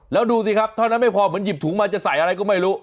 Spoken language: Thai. แล้วดูสิครับเท่านั้นไม่พอเหมือนหยิบถุงมาจะใส่อะไรก็ไม่รู้